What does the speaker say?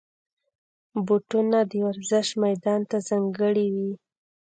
بوټونه د ورزش میدان ته ځانګړي وي.